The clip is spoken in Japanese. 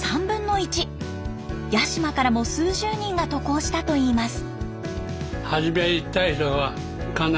八島からも数十人が渡航したといいます。